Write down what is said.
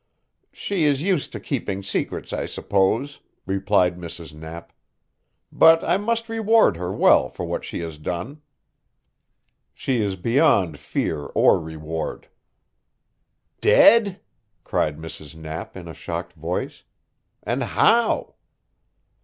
"She is used to keeping secrets, I suppose," replied Mrs. Knapp. "But I must reward her well for what she has done." "She is beyond fear or reward." "Dead?" cried Mrs. Knapp in a shocked voice. "And how?"